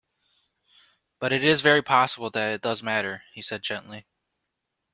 "But it is very possible that it does matter," he said gently.